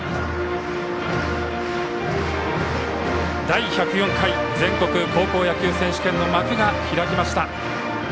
第１０４回全国高校野球選手権の幕が開きました。